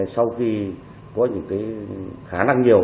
sau khi có những cái khá năng nhiều